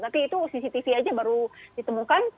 tapi itu cctv aja baru ditemukan